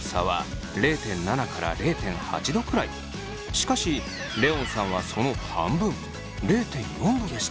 しかしレオンさんはその半分０．４℃でした。